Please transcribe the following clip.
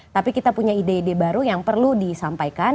tapi kita punya ide ide baru yang perlu disampaikan